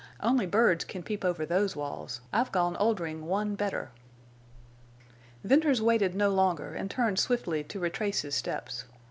"Only birds can peep over those walls, I've gone Oldring one better." Venters waited no longer, and turned swiftly to retrace his steps.